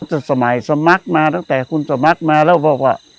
ตั้งแต่สมัยสมัครมาตั้งแต่คุณสมัครมาแล้วบอกว่า